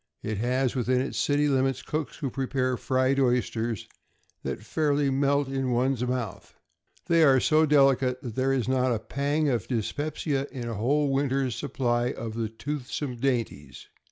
It has within its city limits cooks who prepare fried oysters that fairly melt in one's mouth. They are so delicate that there is not a pang of dyspepsia in a whole winter's supply of the toothsome dainties.